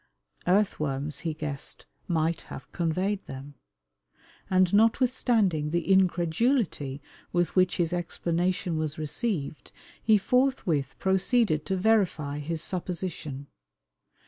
Earthworms, he guessed, might have conveyed them. And notwithstanding the incredulity with which his explanation was received, he forthwith proceeded to verify his supposition.